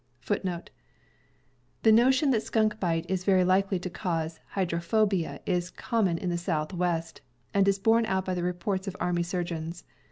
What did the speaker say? The notion that skunk bite is very likely to cause hydrophobia is common in the Southwest, and is borne out by the reports of army surgeons.